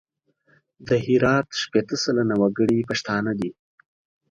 د هرات شپېته سلنه وګړي پښتانه دي.